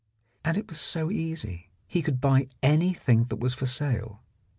And it was so easy; he could buy anything that was for sale.